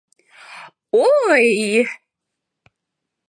— Ой-й!